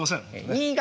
新潟